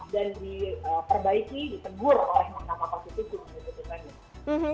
dan diperbaiki ditegur oleh mahkamah konstitusi